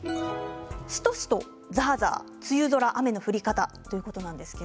シトシトｏｒザーザー梅雨空、雨の降り方ということなんです。